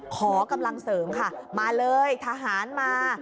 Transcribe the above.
ขอกำลังเสริมค่ะมาเลยทหารมา